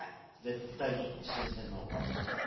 絶対に新鮮な方が。